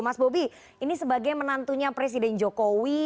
mas bobi ini sebagai menantunya presiden jokowi